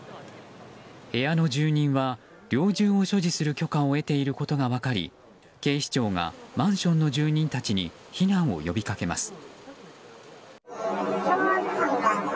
部屋の住人は、猟銃を所持する許可を得ていることが分かり警視庁がマンションの住人たちに避難を呼びかけます。